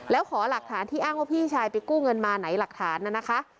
แล้วขอหลักฐานที่อ้างว่าพี่ชายไปกู้เงินมาไหนหลักฐานน่ะนะคะ